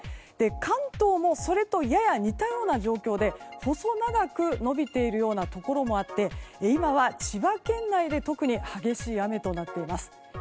関東もそれとやや似たような状況で細長く延びているようなところもあって今は千葉県内で特に激しい雨となっています。